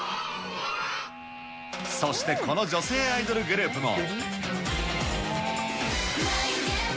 そしてこの女性アイドルグループも。